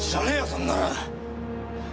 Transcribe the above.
そんなの！